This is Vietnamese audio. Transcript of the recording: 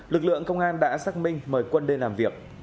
lực lượng công an đã xác minh mời quân lên làm việc